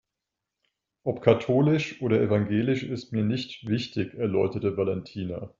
Ob katholisch oder evangelisch ist mir nicht wichtig, erläuterte Valentina.